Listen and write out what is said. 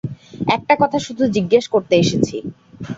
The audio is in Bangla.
একটা কথা শুধু জিজ্ঞেস করতে এসেছি।